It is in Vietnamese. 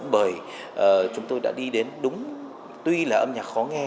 bởi chúng tôi đã đi đến đúng tuy là âm nhạc khó nghe